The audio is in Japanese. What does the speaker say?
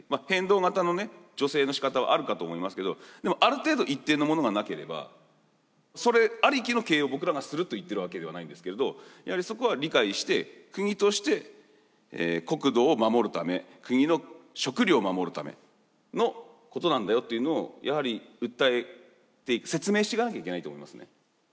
変動型の助成のしかたはあるかと思いますけどでもある程度一定のものがなければそれありきの経営を僕らがすると言っているわけではないんですけれどやはりそこは理解して国として国土を守るため国の食料を守るためのことなんだよというのをやはり訴えて説明していかなきゃいけないと思いますね。